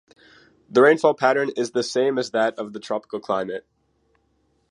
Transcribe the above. The rainfall pattern is the same as that of the tropical climate.